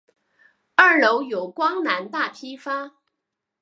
二楼有光南大批发。